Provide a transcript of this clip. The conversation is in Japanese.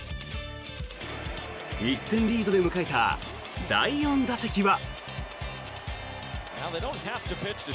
１点リードで迎えた第４打席は。